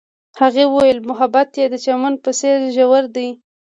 هغې وویل محبت یې د چمن په څېر ژور دی.